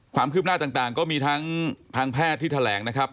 ความคืบหน้าต่างก็มีทั้งทางแพทย์ที่แถลงนะครับ